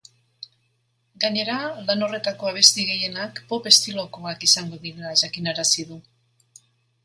Gainera, lan horretako abesti gehienak pop estilokoak izango direla jakinarazi du.